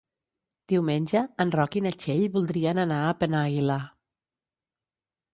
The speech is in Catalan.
Diumenge en Roc i na Txell voldrien anar a Penàguila.